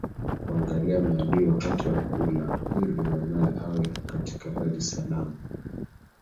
kuangalia maadui wakati wa kula ili mwanae awe katika hali salama